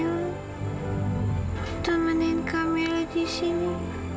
aku temanin kamila di sini